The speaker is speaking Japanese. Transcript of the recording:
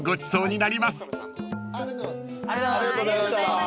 ありがとうございます。